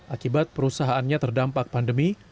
akibat perusahaannya terdampak pandemi